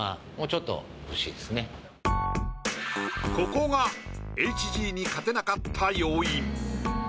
ここがＨＧに勝てなかった要因。